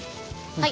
はい。